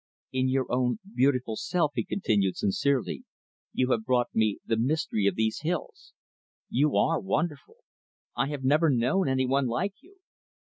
"In your own beautiful self," he continued sincerely "you have brought me the mystery of these hills. You are wonderful! I have never known any one like you."